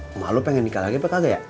sama lo pengen nikah lagi apa kan ya